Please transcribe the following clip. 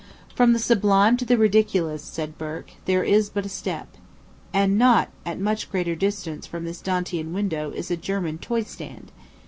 "From the sublime to the ridiculous," said Burke, "there is but a step;" and at not much greater distance from this Dantean window is a German toy stand.